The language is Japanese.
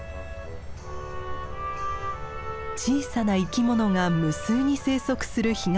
小さな生き物が無数に生息する干潟。